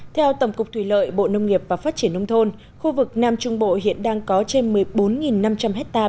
theo tổng cục thủy lợi bộ nông nghiệp và phát triển nông thôn khu vực nam trung bộ hiện đang có trên một mươi bốn năm trăm linh ha